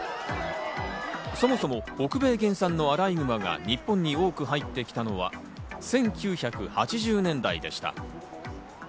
そもそも北米原産のアライグマが日本に多く入ってきたのは１９８０年代でした。